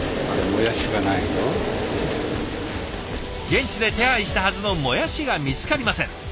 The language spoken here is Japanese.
現地で手配したはずのもやしが見つかりません。